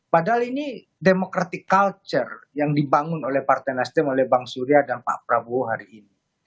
padahal ini demokratik culture yang dibangun oleh partai nasdem oleh bang surya dan pak prabowo hari ini